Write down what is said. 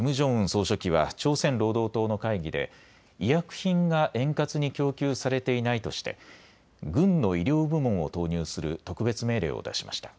総書記は朝鮮労働党の会議で医薬品が円滑に供給されていないとして軍の医療部門を投入する特別命令を出しました。